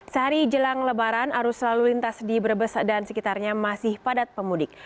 sehari jelang lebaran arus lalu lintas di brebes dan sekitarnya masih padat pemudik